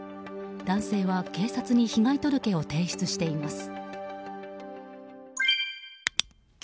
男性は警察に被害届を提出しています。